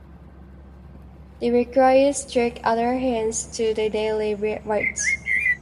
This requires strict adherence to the daily rites.